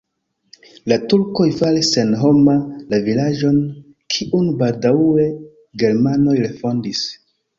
La turkoj faris senhoma la vilaĝon, kiun baldaŭe germanoj refondis.